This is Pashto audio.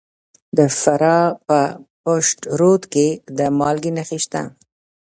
د فراه په پشت رود کې د مالګې نښې شته.